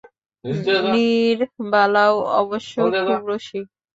নীরবালাও অবশ্য খুব– রসিক।